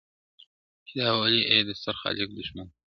چي دا ولي اې د ستر خالق دښمنه-